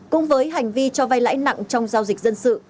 cùng với hành vi cho vay lãi nặng trong giao dịch dân sự